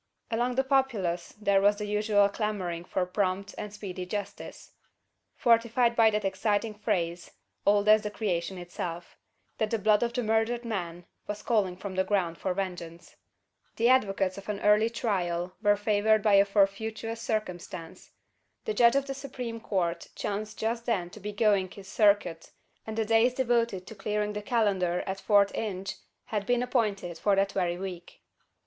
Among the populace there was the usual clamouring for prompt and speedy justice; fortified by that exciting phrase, old as the creation itself: "that the blood of the murdered man was calling from the ground for vengeance." The advocates of an early trial were favoured by a fortuitous circumstance. The judge of the Supreme Court chanced just then to be going his circuit; and the days devoted to clearing the calendar at Fort Inge, had been appointed for that very week.